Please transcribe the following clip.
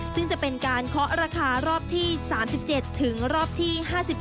ซึ่งจะเป็นการเคาะราคารอบที่๓๗ถึงรอบที่๕๗